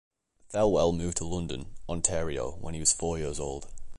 Thelwell moved to London, Ontario when he was four years old.